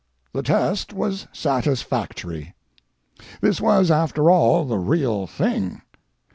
The test was satisfactory. This was, after all, the real thing.